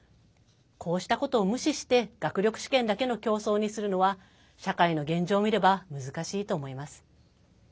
こうしたことを無視して学力試験だけの競争にするのは社会の現状を見れば難しいと思います。